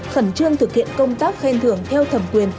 khẩn trương thực hiện công tác khen thưởng theo thẩm quyền